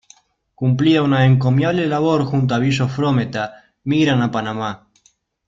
Cumplida una encomiable labor junto a Billo Frómeta, migran a Panamá.